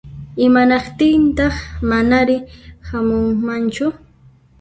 Imanaqtintaq manari hamunmanchu?